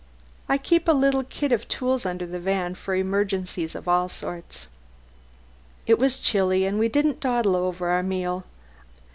I keep a little kit of tools under the van for emergencies of all sorts." It was chilly, and we didn't dawdle over our meal.